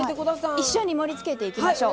一緒に盛りつけていきましょう。